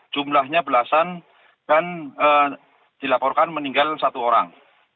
jumlahnya belasan dan dilaporkan meninggal satu orang